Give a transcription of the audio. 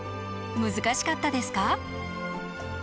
難しかったですか？